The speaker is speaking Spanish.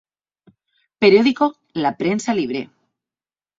Periódico La Prensa Libre.